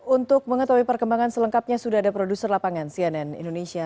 untuk mengetahui perkembangan selengkapnya sudah ada produser lapangan cnn indonesia